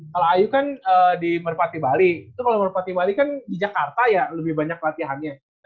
kalau ayu kan di merpati bali itu kalau merpati bali kan di jakarta ya lebih banyak latihannya